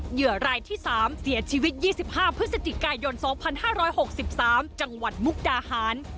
เหยื่อรายที่๓เสียชีวิต๒๕พฤศจิกายน๒๕๖๓จังหวัดมุกดาหาร